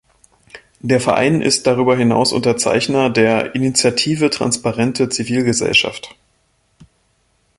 Der Verein ist darüber hinaus Unterzeichner der Initiative Transparente Zivilgesellschaft.